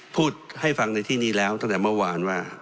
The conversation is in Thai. พูดให้ฟังในที่นี้แล้วตั้งแต่เมื่อวานว่า